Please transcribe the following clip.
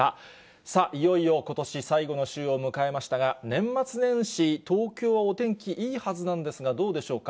さあ、いよいよことし最後の週を迎えましたが、年末年始、東京はお天気、いいはずなんですが、どうでしょうか。